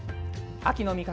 秋の味覚